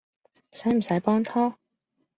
駛唔駛幫拖？